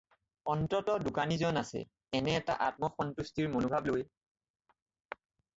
অন্ততঃ দোকানীজন আছে, এনে এটা আত্মসন্তুস্তিৰ মনোভাৱ লৈ।